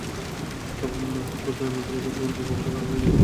অর্থাৎ পূর্বেই তা আমি বলে দিয়েছিলাম যে, কুফরীর কারণে এ নিমজ্জিত হবে।